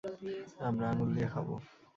আমরা আঙ্গুল দিয়ে খাব।